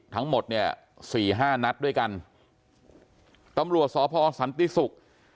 ทั้งหมดเนี่ยสี่ห้านัดด้วยกันตำรวจสพสันติศุกร์